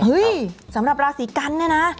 สำหรับราศีกันเนี่ยนะ